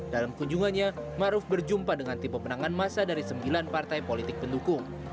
dalam kunjungannya maruf berjumpa dengan tipe penangan masa dari sembilan partai politik pendukung